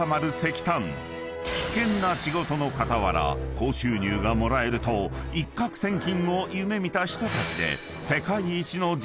［危険な仕事の傍ら高収入がもらえると一獲千金を夢見た人たちで］